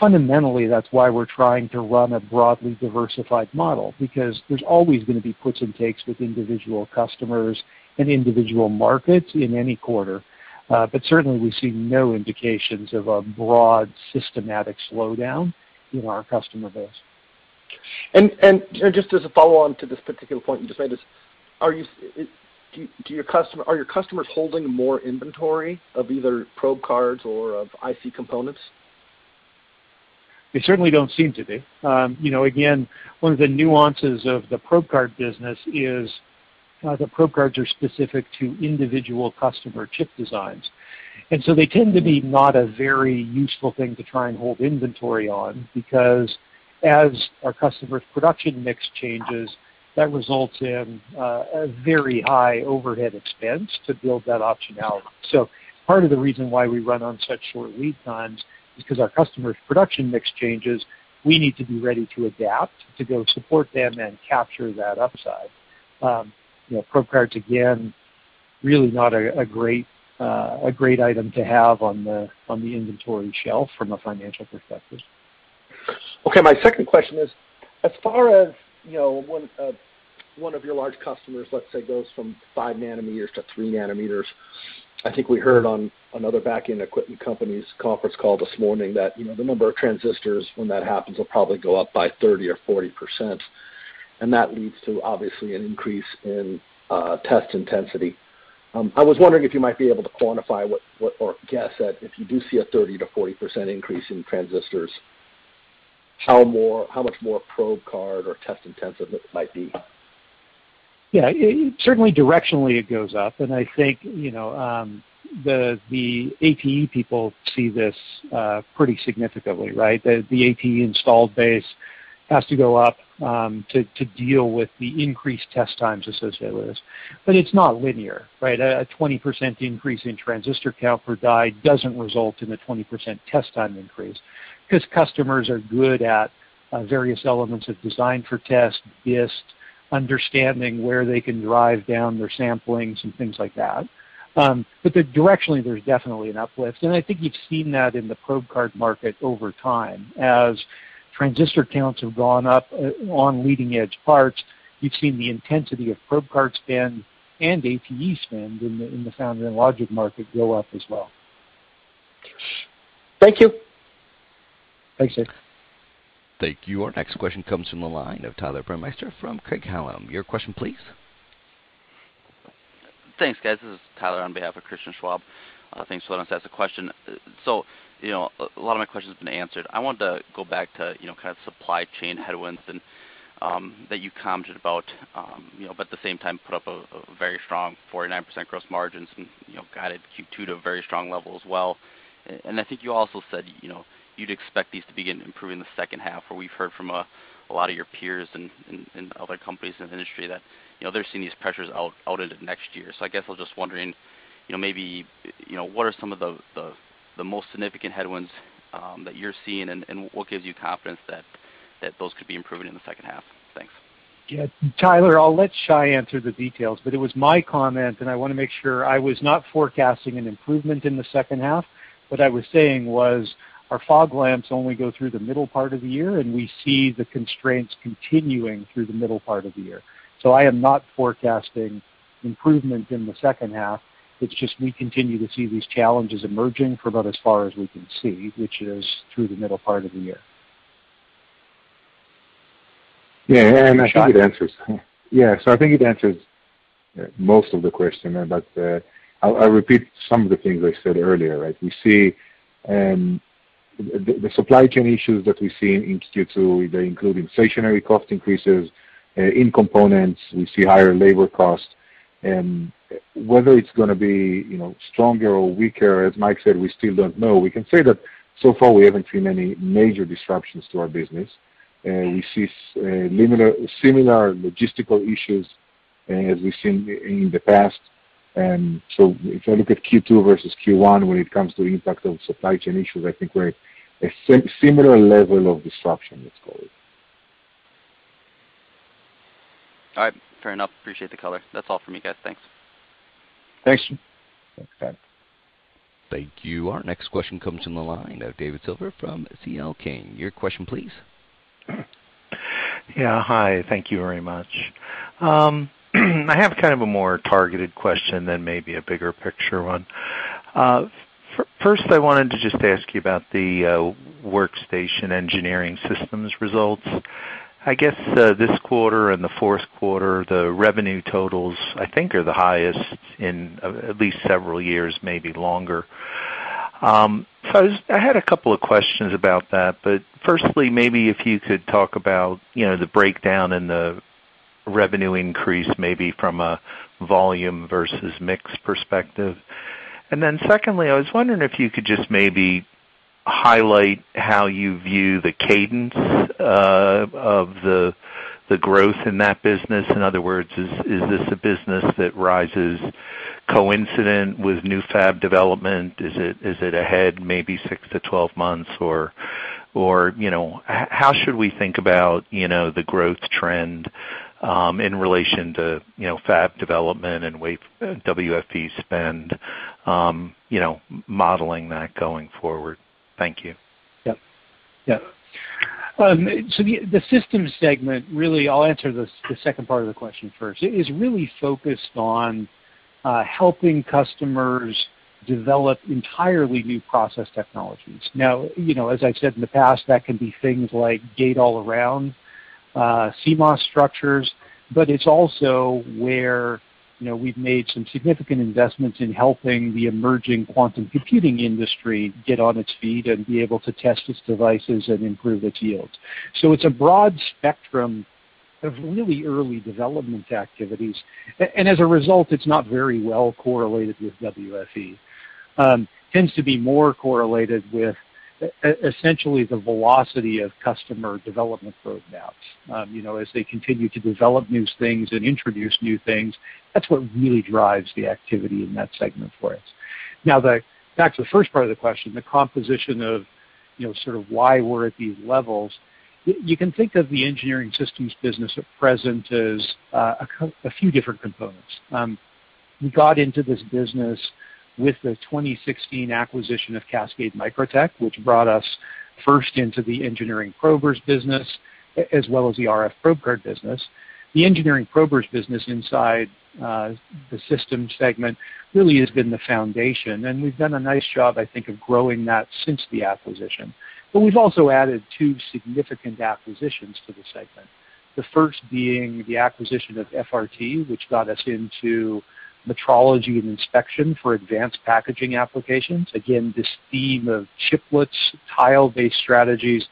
Fundamentally, that's why we're trying to run a broadly diversified model, because there's always gonna be puts and takes with individual customers and individual markets in any quarter. Certainly we see no indications of a broad systematic slowdown in our customer base. Just as a follow-on to this particular point you just made, are your customers holding more inventory of either probe cards or of IC components? They certainly don't seem to be. You know, again, one of the nuances of the probe card business is the probe cards are specific to individual customer chip designs. They tend to be not a very useful thing to try and hold inventory on, because as our customers' production mix changes, that results in a very high overhead expense to build that optionality. Part of the reason why we run on such short lead times is because our customers' production mix changes, we need to be ready to adapt to go support them and capture that upside. You know, probe cards, again, really not a great item to have on the inventory shelf from a financial perspective. Okay. My second question is, as far as, you know, when one of your large customers, let's say, goes from 5 nanometers to 3 nanometers, I think we heard on another back-end equipment company's conference call this morning that, you know, the number of transistors when that happens will probably go up by 30% or 40%, and that leads to obviously an increase in test intensity. I was wondering if you might be able to quantify what or guess at if you do see a 30%-40% increase in transistors, how much more probe card or test intensive it might be. Yeah. Certainly directionally it goes up. I think, you know, the ATE people see this pretty significantly, right? The ATE installed base has to go up to deal with the increased test times associated with this. But it's not linear, right? A 20% increase in transistor count per die doesn't result in a 20% test time increase, because customers are good at various elements of design for test, BIST, understanding where they can drive down their samplings and things like that. But directionally, there's definitely an uplift, and I think you've seen that in the probe card market over time. As transistor counts have gone up on leading edge parts, you've seen the intensity of probe card spend and ATE spend in the foundry and logic market go up as well. Thank you. Thanks, Stan. Thank you. Our next question comes from the line of Tyler Burmeister from Craig-Hallum. Your question, please. Thanks, guys. This is Tyler on behalf of Christian Schwab. Thanks for letting us ask the question. You know, a lot of my question's been answered. I wanted to go back to, you know, kind of supply chain headwinds and that you commented about, you know, but at the same time put up a very strong 49% gross margins and, you know, guided Q2 to a very strong level as well. I think you also said, you know, you'd expect these to begin improving the second half, where we've heard from a lot of your peers and other companies in the industry that, you know, they're seeing these pressures out into next year. I guess I was just wondering, you know, maybe, you know, what are some of the most significant headwinds that you're seeing and what gives you confidence that those could be improved in the second half? Thanks. Yeah. Tyler, I'll let Shai answer the details, but it was my comment, and I wanna make sure I was not forecasting an improvement in the second half. What I was saying was our forward guidance only goes through the middle part of the year, and we see the constraints continuing through the middle part of the year. I am not forecasting improvement in the second half. It's just we continue to see these challenges emerging for about as far as we can see, which is through the middle part of the year. Yeah. I think it answers. Shai. Yeah. I think it answers most of the question, but I'll repeat some of the things I said earlier, right? We see the supply chain issues that we see in Q2. They include inflationary cost increases in components. We see higher labor costs. Whether it's gonna be, you know, stronger or weaker, as Mike said, we still don't know. We can say that so far we haven't seen any major disruptions to our business. We see similar logistical issues as we've seen in the past. If I look at Q2 versus Q1 when it comes to impact of supply chain issues, I think we're a similar level of disruption, let's call it. All right. Fair enough. Appreciate the color. That's all for me, guys. Thanks. Thanks. Thanks. Thank you. Our next question comes from the line of David Silver from C.L. King. Your question, please. Yeah. Hi, thank you very much. I have kind of a more targeted question than maybe a bigger picture one. First I wanted to just ask you about the workstation engineering systems results. I guess this quarter and the fourth quarter, the revenue totals I think are the highest in at least several years, maybe longer. I had a couple of questions about that, but firstly, maybe if you could talk about, you know, the breakdown in the revenue increase maybe from a volume versus mix perspective. Secondly, I was wondering if you could just maybe highlight how you view the cadence of the growth in that business. In other words, is this a business that rises coincident with new fab development? Is it ahead maybe six to 12 months? you know, how should we think about, you know, the growth trend in relation to, you know, fab development and WFE spend, you know, modeling that going forward? Thank you. The system segment, really I'll answer the second part of the question first. It is really focused on helping customers develop entirely new process technologies. Now, you know, as I've said in the past, that can be things like gate-all-around CMOS structures, but it's also where, you know, we've made some significant investments in helping the emerging quantum computing industry get on its feet and be able to test its devices and improve its yields. It's a broad spectrum of really early development activities. And as a result, it's not very well correlated with WFE. It tends to be more correlated with essentially the velocity of customer development roadmaps. You know, as they continue to develop new things and introduce new things, that's what really drives the activity in that segment for us. Now, back to the first part of the question, the composition of, you know, sort of why we're at these levels, you can think of the engineering systems business at present as a few different components. We got into this business with the 2016 acquisition of Cascade Microtech, which brought us first into the engineering probers business, as well as the RF probe card business. The engineering probers business inside the system segment really has been the foundation, and we've done a nice job, I think, of growing that since the acquisition. We've also added two significant acquisitions to the segment. The first being the acquisition of FRT, which got us into metrology and inspection for advanced packaging applications. Again, this theme of chiplets, tile-based strategies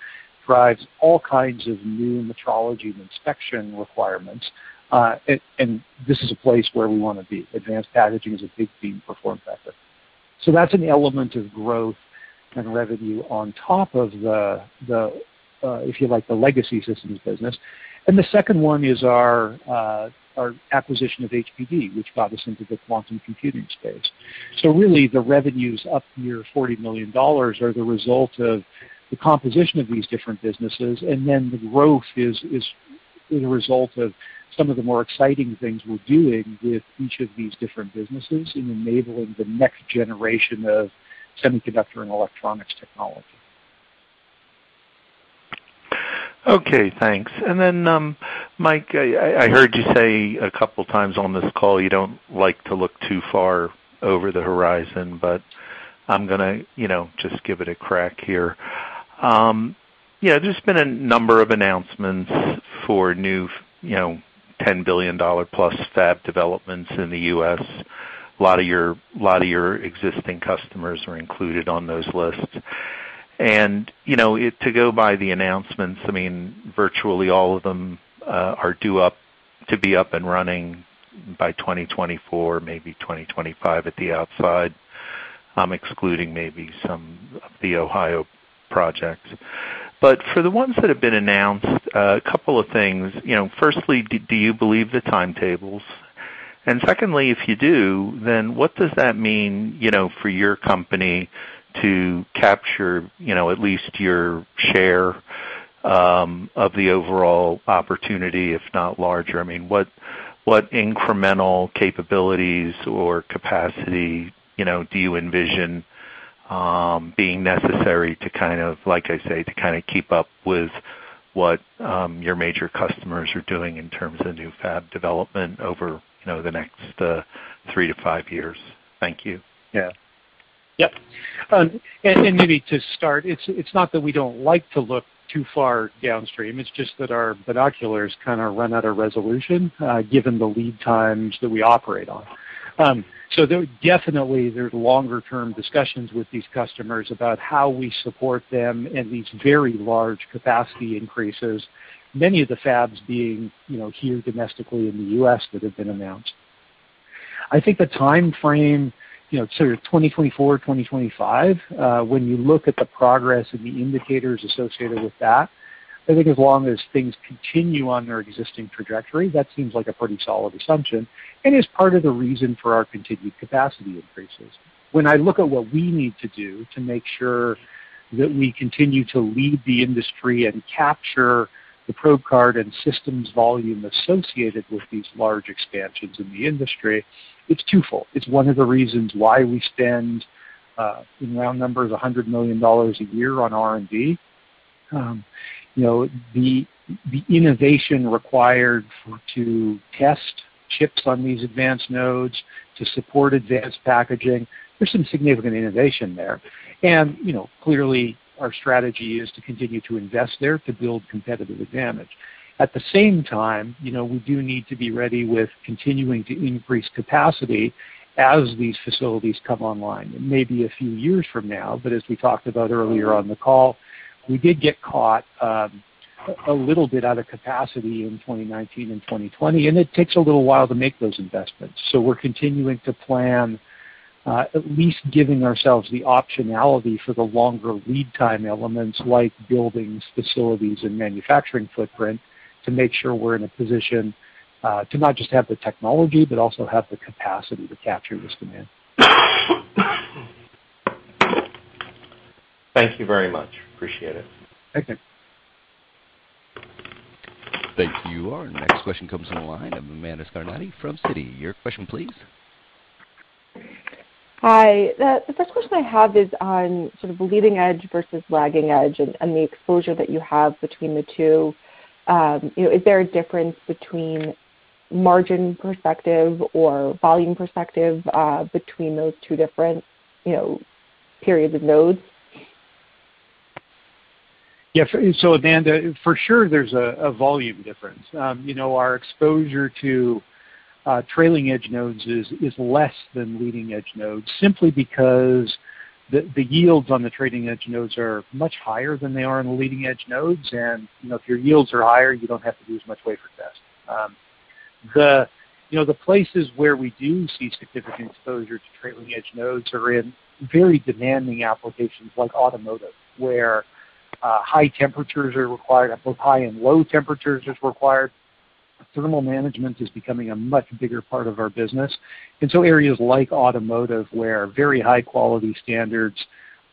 drives all kinds of new metrology and inspection requirements. This is a place where we wanna be. Advanced packaging is a big theme for FormFactor. That's an element of growth and revenue on top of if you like, the legacy systems business. The second one is our acquisition of HPD, which brought us into the quantum computing space. Really the revenues up near $40 million are the result of the composition of these different businesses, and then the growth is the result of some of the more exciting things we're doing with each of these different businesses in enabling the next generation of semiconductor and electronics technology. Okay, thanks. Mike, I heard you say a couple times on this call you don't like to look too far over the horizon, but I'm gonna, you know, just give it a crack here. Yeah, there's been a number of announcements for new, you know, $10 billion plus fab developments in the U.S. A lot of your existing customers are included on those lists. You know, to go by the announcements, I mean, virtually all of them are due to be up and running by 2024, maybe 2025 at the outside, excluding maybe some of the Ohio projects. For the ones that have been announced, a couple of things. You know, firstly, do you believe the timetables? Secondly, if you do, then what does that mean, you know, for your company to capture, you know, at least your share of the overall opportunity, if not larger? I mean, what incremental capabilities or capacity, you know, do you envision being necessary to kind of, like I say, to kind of keep up with what your major customers are doing in terms of new fab development over, you know, the next three to five years? Thank you. Yeah. Yep. Maybe to start, it's not that we don't like to look too far downstream, it's just that our binoculars kind of run out of resolution given the lead times that we operate on. There are definitely longer-term discussions with these customers about how we support them in these very large capacity increases, many of the fabs being, you know, here domestically in the U.S. that have been announced. I think the timeframe, you know, sort of 2024, 2025, when you look at the progress and the indicators associated with that, I think as long as things continue on their existing trajectory, that seems like a pretty solid assumption, and is part of the reason for our continued capacity increases. When I look at what we need to do to make sure that we continue to lead the industry and capture the probe card and systems volume associated with these large expansions in the industry, it's twofold. It's one of the reasons why we spend, in round numbers, $100 million a year on R&D. You know, the innovation required to test chips on these advanced nodes, to support advanced packaging, there's some significant innovation there. You know, clearly our strategy is to continue to invest there to build competitive advantage. At the same time, you know, we do need to be ready with continuing to increase capacity as these facilities come online. It may be a few years from now, but as we talked about earlier on the call, we did get caught a little bit out of capacity in 2019 and 2020, and it takes a little while to make those investments. We're continuing to plan at least giving ourselves the optionality for the longer lead time elements like buildings, facilities, and manufacturing footprint to make sure we're in a position to not just have the technology but also have the capacity to capture this demand. Thank you very much. Appreciate it. Thank you. Thank you. Our next question comes on the line of Amanda Scarnati from Citi. Your question please. Hi. The first question I have is on sort of leading edge versus lagging edge and the exposure that you have between the two. You know, is there a difference between margin perspective or volume perspective between those two different, you know, periods of nodes? Yeah. Amanda, for sure, there's a volume difference. You know, our exposure to trailing edge nodes is less than leading edge nodes simply because the yields on the trailing edge nodes are much higher than they are in the leading edge nodes. You know, if your yields are higher, you don't have to do as much wafer test. You know, the places where we do see significant exposure to trailing edge nodes are in very demanding applications like automotive, where high temperatures are required. Both high and low temperatures is required. Thermal management is becoming a much bigger part of our business. Areas like automotive, where very high quality standards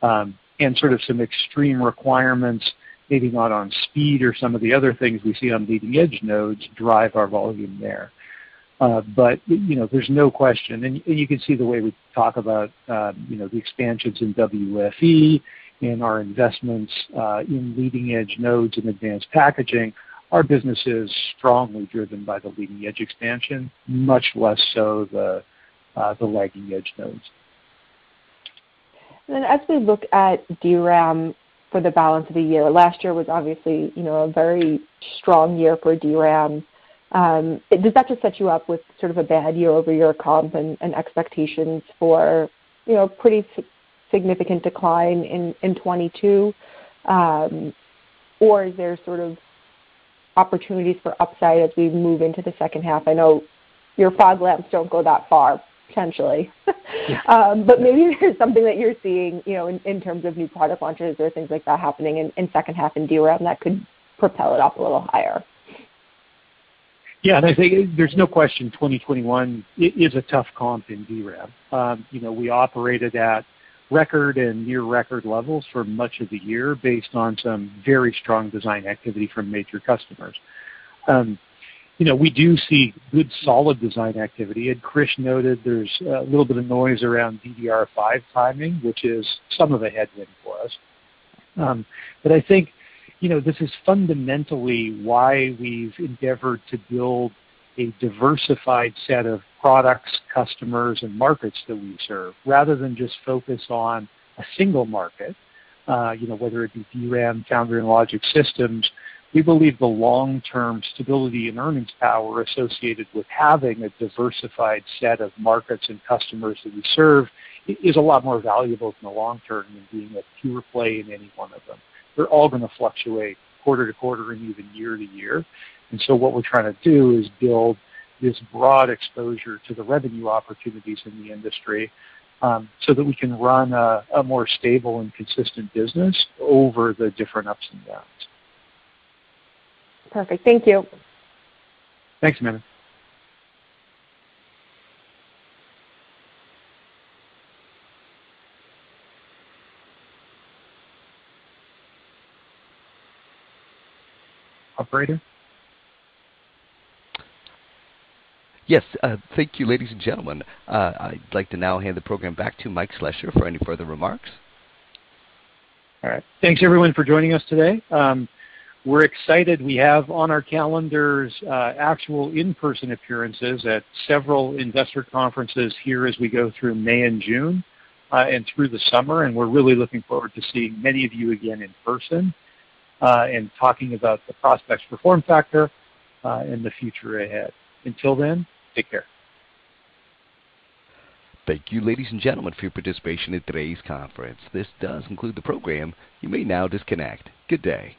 and sort of some extreme requirements, maybe not on speed or some of the other things we see on leading edge nodes, drive our volume there. You know, there's no question. You can see the way we talk about, you know, the expansions in WFE and our investments in leading edge nodes and advanced packaging. Our business is strongly driven by the leading edge expansion, much less so the lagging edge nodes. As we look at DRAM for the balance of the year, last year was obviously, you know, a very strong year for DRAM. Does that just set you up with sort of a bad year-over-year comp and expectations for, you know, pretty significant decline in 2022? Or is there sort of opportunities for upside as we move into the second half? I know your fog lamps don't go that far, potentially. But maybe there's something that you're seeing, you know, in terms of new product launches or things like that happening in second half in DRAM that could propel it up a little higher. Yeah. I think there's no question 2021 is a tough comp in DRAM. You know, we operated at record and near record levels for much of the year based on some very strong design activity from major customers. You know, we do see good solid design activity, and Krish noted there's a little bit of noise around DDR5 timing, which is somewhat of a headwind for us. I think, you know, this is fundamentally why we've endeavored to build a diversified set of products, customers, and markets that we serve, rather than just focus on a single market, you know, whether it be DRAM, foundry, and logic systems. We believe the long-term stability and earnings power associated with having a diversified set of markets and customers that we serve is a lot more valuable in the long term than being a pure play in any one of them. They're all gonna fluctuate quarter to quarter and even year to year. What we're trying to do is build this broad exposure to the revenue opportunities in the industry, so that we can run a more stable and consistent business over the different ups and downs. Perfect. Thank you. Thanks, Amanda. Operator. Yes. Thank you, ladies and gentlemen. I'd like to now hand the program back to Mike Slessor for any further remarks. All right. Thanks everyone for joining us today. We're excited. We have on our calendars actual in-person appearances at several investor conferences here as we go through May and June, and through the summer, and we're really looking forward to seeing many of you again in person, and talking about the prospects for FormFactor, and the future ahead. Until then, take care. Thank you, ladies and gentlemen, for your participation in today's conference. This does conclude the program. You may now disconnect. Good day.